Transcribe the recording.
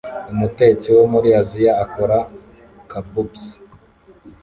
Umutetsi wo muri Aziya akora kabobs